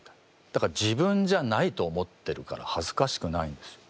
だから自分じゃないと思ってるからはずかしくないんですよ。